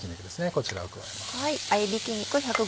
こちらを加えます。